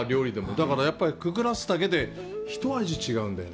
だから、やっぱりくぐらすだけで一味違うんだよね。